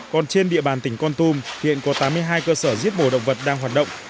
còn trên địa bàn tỉnh con tum hiện có tám mươi hai cơ sở giết mổ động vật đang hoạt động